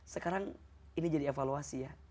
sekarang ini jadi evaluasi ya